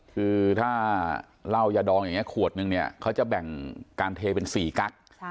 คือถ้าเหล้ายาดองอย่างนี้ขวดนึงเนี่ยเขาจะแบ่งการเทเป็น๔กั๊ก